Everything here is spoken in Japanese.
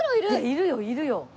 いるよいるよ。